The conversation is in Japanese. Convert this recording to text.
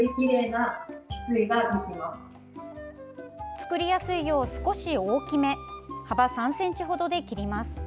作りやすいよう少し大きめ幅３ｃｍほどで切ります。